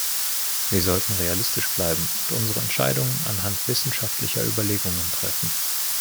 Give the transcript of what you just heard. Wir sollten realistisch bleiben und unsere Entscheidungen anhand wissenschaftlicher Überlegungen treffen.